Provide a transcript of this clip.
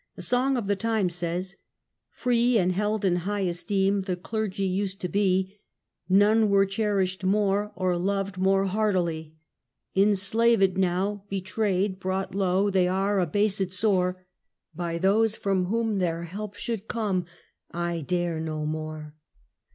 A song of the time says: Free and held in high esteem the clergy used to be. None were cherished more, or loved more heartily. Enslaved now, betrayed, brought low, They are abased sore By those from whom their help should come: I dare no more.